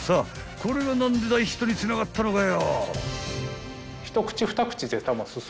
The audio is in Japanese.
これが何で大ヒットにつながったのかよ］